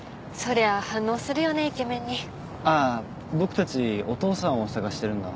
僕たちお父さんを捜してるんだ。